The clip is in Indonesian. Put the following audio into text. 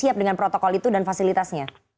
siap dengan protokol itu dan fasilitasnya